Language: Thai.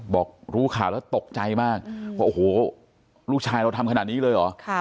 บอกรู้ข่าวแล้วตกใจมากว่าโอ้โหลูกชายเราทำขนาดนี้เลยเหรอ